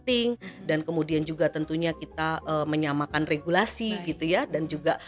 penting dan kemudian juga tentunya kita menyamakan regulasi gitu ya dan juga